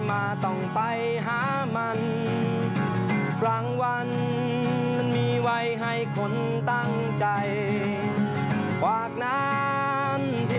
มุ่งมั่นทุนเทพเพียงใดกว่าจะได้